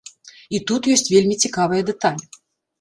І тут ёсць вельмі цікавая дэталь.